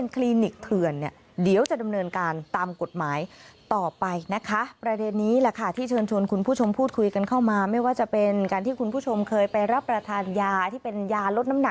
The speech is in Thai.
คือส่วนสุดส่วนสุดเช่นของมัน